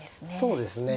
そうですね。